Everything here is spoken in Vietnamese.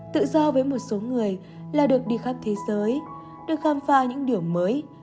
tự do với một số người là được đi khắp thế giới được khám phá những điều mới